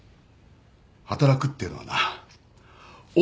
働くっていうのはなおお。